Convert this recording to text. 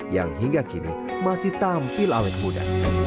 yang hingga kini masih tampil awet muda